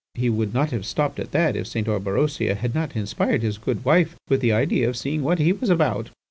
He would not have stopped at that if St. Orberosia had not inspired his good wife with the idea of seeing what he was about.